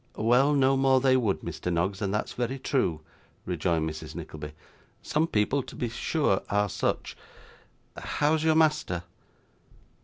'Well, no more they would, Mr. Noggs, and that's very true,' rejoined Mrs Nickleby. 'Some people to be sure are such how's your master?